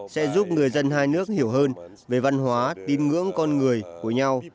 sẽ giúp người dân hai nước hiểu hơn về văn hóa tin ngưỡng con người của nhau